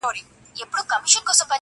د خپل ژوند عکس ته گوري